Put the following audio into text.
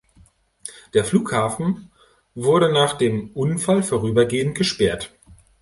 Der Flughafen wurde nach dem Unfall vorübergehend gesperrt.